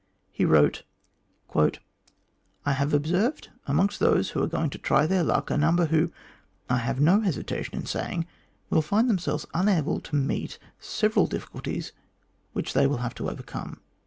He wrote :" I have observed, amongst those who are going to try their luck, a number who, I have no hesitation in saying, will find themselves unable to meet several difficulties which they will have to overcome.